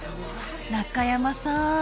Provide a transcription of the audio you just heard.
中山さん